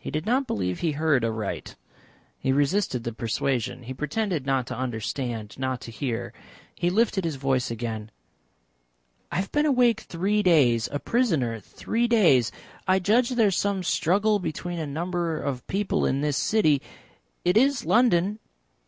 He did not believe he heard aright. He resisted the persuasion. He pretended not to understand, not to hear. He lifted his voice again. "I have been awake three days a prisoner three days. I judge there is some struggle between a number of people in this city it is London?"